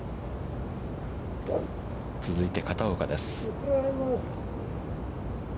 続いて片岡です。